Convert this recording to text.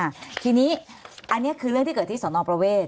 อันนี้อันนี้คือเรื่องที่เกิดที่สนประเวท